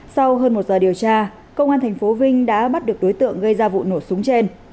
sau hơn một giờ điều tra công an tp vinh đã bắt được đối tượng gây ra vụ nổ súng trên